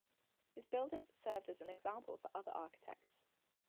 His buildings served as an example for other architects.